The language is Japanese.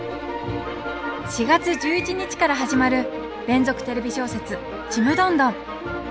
４月１１日から始まる連続テレビ小説「ちむどんどん」。